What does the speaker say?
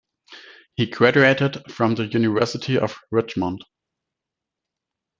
He graduated from the University of Richmond.